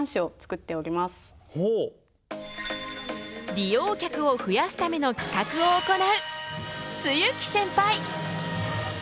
利用客を増やすための企画を行う露木センパイ。